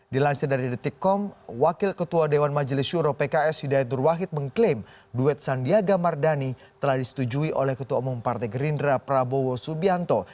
dilansir dari detikkom wakil ketua dewan majelis syuro pks hidayat nur wahid mengklaim duet sandiaga mardani telah disetujui oleh ketua umum partai gerindra prabowo subianto